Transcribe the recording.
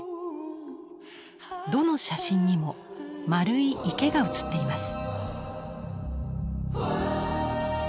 どの写真にもまるい池が写っています。